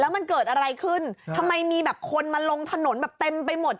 มันเกิดอะไรขึ้นทำไมมีแบบคนมาลงถนนแบบเต็มไปหมด